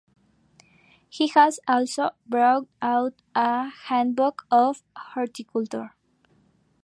He has also brought out a "Handbook of Horticulture".